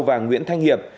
và nguyễn thanh hiệp